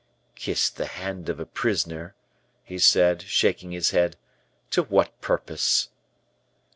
"Kiss the hand of a prisoner," he said, shaking his head, "to what purpose?"